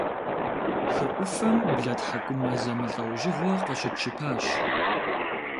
Хы ӏуфэм блэтхьэкӏумэ зэмылӏэужьыгъуэ къыщытщыпащ.